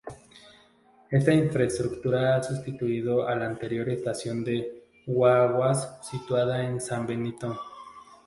Esta infraestructura ha sustituido a la anterior estación de guaguas situada en San Benito.